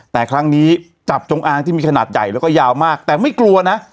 แต่ครั้งนี้จับจงอางที่มีขนาดใหญ่แล้วก็ยาวมากแต่ไม่กลัวนะ